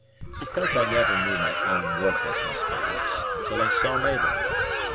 "Because I never knew my own worthlessness, perhaps, until I saw Mabel.